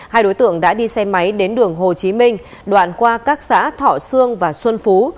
hai đối tượng đã đi xe máy đến đường hồ chí minh đoạn qua các xã thọ sương và xuân phú